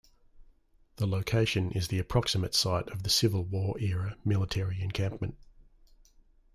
The location is the approximate site of the Civil War era military encampment.